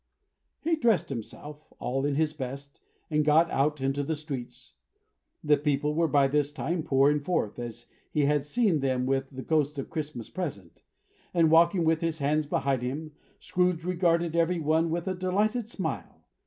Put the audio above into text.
He dressed himself "all in his best," and got out into the streets. The people were by this time pouring forth, as he had seen them with the Ghost of Christmas Present; and walking with his hands behind him, Scrooge regarded every one with a delighted smile.